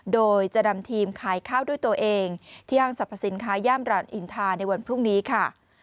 โดยจะนำทีมขายข้าวด้วยตัวเองที่ห้างสรรพสินค้าย่ามรานอินทาในวันพรุ่งนี้ค่ะ